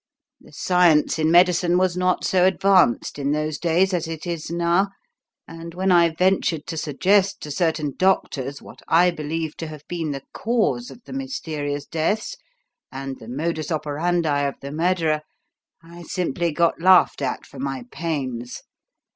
The science in medicine was not so advanced in those days as it is now, and when I ventured to suggest to certain doctors what I believed to have been the cause of the mysterious deaths and the modus operandi of the murderer, I simply got laughed at for my pains.